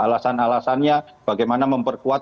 alasan alasannya bagaimana memperkuat